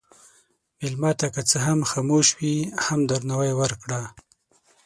مېلمه ته که څه هم خاموش وي، هم درناوی ورکړه.